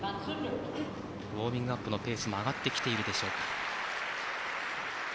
ウォーミングアップのペースも上がってきているでしょうか。